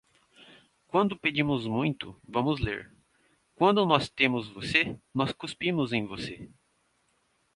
Quando pedimos muito, vamos ler; quando nós temos você, nós cuspimos em você.